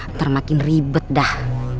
ntar makin ribet dah